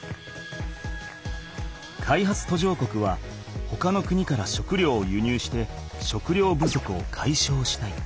開発途上国はほかの国から食料を輸入して食料不足をかいしょうしたい。